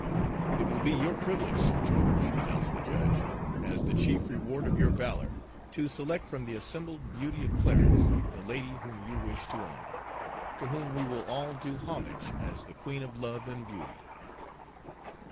"It will be your privilege, Sir George," announced the judge, "as the chief reward of your valor, to select from the assembled beauty of Clarence the lady whom you wish to honor, to whom we will all do homage as the Queen of Love and Beauty."